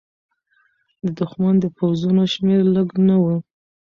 د دښمن د پوځونو شمېر لږ نه و.